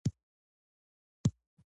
ایا ته د کوم شاعر دیوان لرې؟